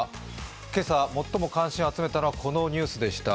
今朝、最も関心を集めたのはこのニュースでした。